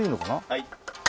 はい。